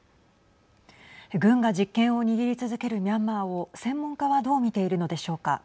軍が実権を握り続けるミャンマーを専門家はどう見ているのでしょうか。